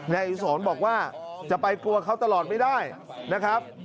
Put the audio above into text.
นายอิสรบอกว่าจะไปกลัวเขาตลอดไม่ได้นะครับ